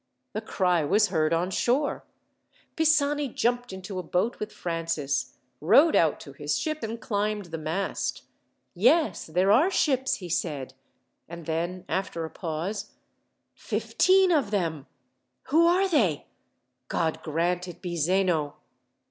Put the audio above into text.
The cry was heard on shore. Pisani jumped into a boat with Francis, rowed out to his ship, and climbed the mast. "Yes, there are ships!" he said. And then, after a pause: "Fifteen of them! Who are they? God grant it be Zeno!"